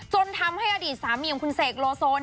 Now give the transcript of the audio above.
ทำให้อดีตสามีของคุณเสกโลโซ